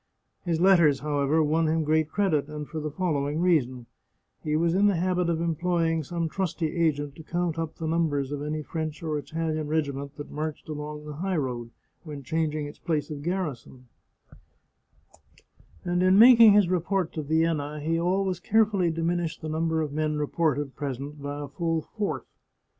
His letters, however, won him great credit, and for the following reason : He was in the habit of employing some trusty agent to count up the numbers of any French or Italian regiment that marched along the highroad when changing its place of garrison, and in mak ing his report to Vienna he always carefully diminished the 15 The Chartreuse of Parma number of men reported present by a full fourth.